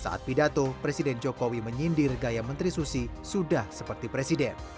saat pidato presiden jokowi menyindir gaya menteri susi sudah seperti presiden